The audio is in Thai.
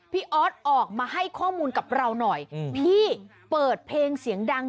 พี่ออสออกมาให้ข้อมูลกับเราหน่อย